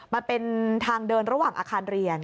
มันเป็นทางเดินระหว่างอาคารเรียน